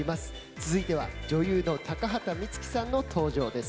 続いては女優の高畑充希さんの登場です。